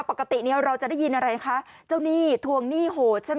ปกติเนี่ยเราจะได้ยินอะไรคะเจ้าหนี้ทวงหนี้โหดใช่ไหม